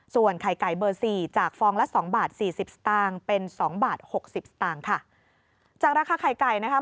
ส่วนไข่ไก่เบอร์สี่จากฟองละสองบาทสี่สิบสตางค์เป็นสองบาทหกสิบสตางค์ค่ะจากราคาไข่ไก่นะคะ